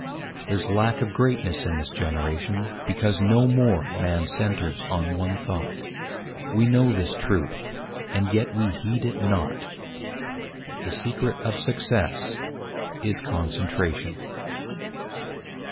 There's lack of greatness in this generation Because no more man centres on one thought. We know this truth, and yet we heed it not: The secret of success is Concentration.